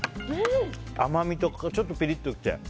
甘みと、ちょっとピリッと来て。